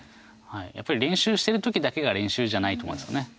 やっぱり練習してるときだけが練習じゃないと思うんですね。